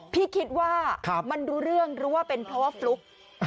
พี่คิดว่ามันรู้เรื่องรู้ว่าเป็นเพราะว่าฟลุ๊ก